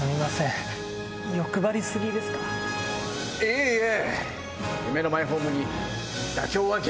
いいえ！